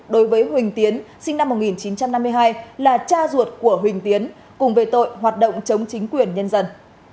đối với huỳnh tiến sinh năm một nghìn chín trăm năm mươi hai là cha ruột của huỳnh tiến cùng về tội hoạt động chống chính quyền nhân dân